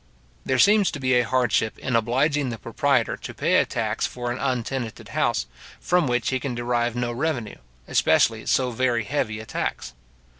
There seems to be a hardship in obliging the proprietor to pay a tax for an untenanted house, from which he can derive no revenue, especially so very heavy a tax.